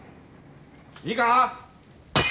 いいか。